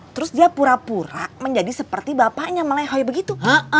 terus dia pura pura menjadi seperti bapaknya melehoi begitu